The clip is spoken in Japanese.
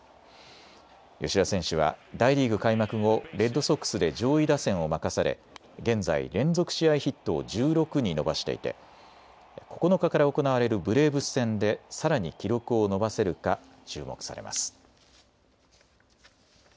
吉田選手は大リーグ開幕後、レッドソックスで上位打線を任され現在、連続試合ヒットを１６に伸ばしていて９日から行われるブレーブス戦でさらに記録を伸ばせるか注目されます。